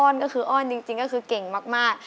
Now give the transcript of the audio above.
ก็คืออ้อนจริงก็คือเก่งมาก